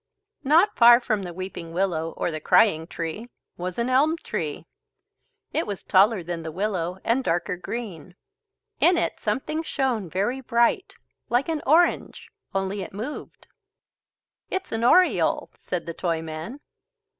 Not far from the weeping willow or the "Crying Tree," was an elm tree. It was taller than the willow and darker green. In it something shone very bright like an orange, only it moved. "It's an oriole," said the Toyman.